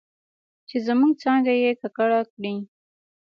چې زموږ څانګه یې ککړه کړې